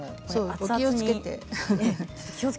気をつけて。